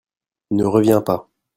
Ne reviens pas !